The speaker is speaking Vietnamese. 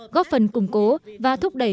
góp phần củng cố và thúc đẩy